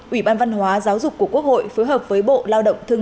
ủy ban văn hóa giáo dục của quốc hội phối hợp với bộ lao động thương